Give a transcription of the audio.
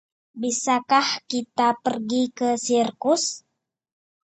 Bisakah kita pergi ke sirkus?